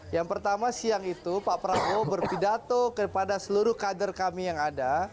yang pertama siang itu pak prabowo berpidato kepada seluruh kader kami yang ada